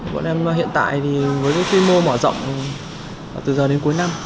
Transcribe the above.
bọn em hiện tại thì với quy mô mở rộng từ giờ đến cuối năm